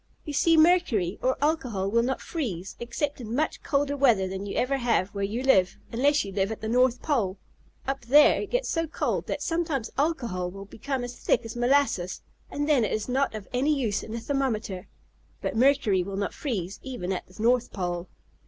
You see mercury, or alcohol, will not freeze, except in much colder weather than you ever have where you live, unless you live at the North Pole. Up there it gets so cold that sometimes alcohol will became as thick as molasses, and then it is not of any use in a thermometer. But mercury will not freeze, even at the North Pole.